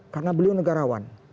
karena beliau negarawan